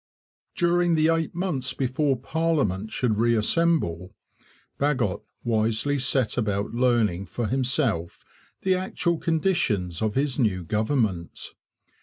During the eight months before parliament should reassemble Bagot wisely set about learning for himself the actual conditions of his new government.